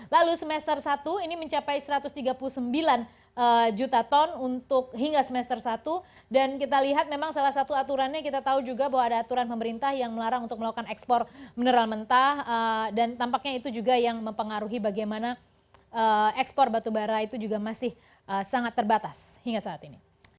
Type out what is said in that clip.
lalu semester satu ini mencapai satu ratus tiga puluh sembilan juta ton untuk hingga semester satu dan kita lihat memang salah satu aturannya kita tahu juga bahwa ada aturan pemerintah yang melarang untuk melakukan ekspor mineral mentah dan tampaknya itu juga yang mempengaruhi bagaimana ekspor batubara itu juga masih sangat terbatas hingga saat ini